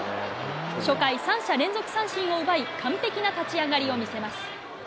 初回、三者連続三振を奪い完璧な立ち上がりを見せます。